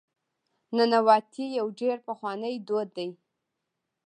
ننواتې یو ډېر پخوانی دود دی.